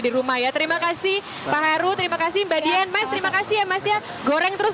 di rumah ya terima kasih pak heru terima kasih mbak dian mas terima kasih ya mas ya goreng terus